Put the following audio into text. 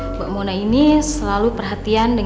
mbak mona ini selalu perhatian dengan dego